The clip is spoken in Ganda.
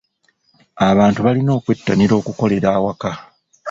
Abantu balina okwettanira okukolera awaka.